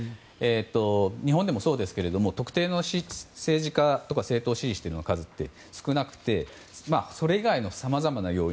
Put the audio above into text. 日本でもそうですけど特定の政治家や政党を支持している人の数って少なくてそれ以外のさまざまな要因